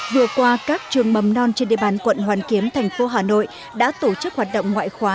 vừa qua các trường mầm non trên địa bàn quận hoàn kiếm thành phố hà nội đã tổ chức hoạt động ngoại khóa